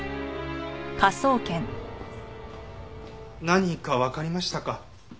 何かわかりましたか？